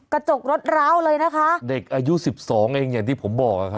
กระจกรถร้าวเลยนะคะเด็กอายุสิบสองเองอย่างที่ผมบอกอะครับ